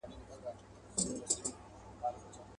په یوه ژبه ږغېږي سره خپل دي.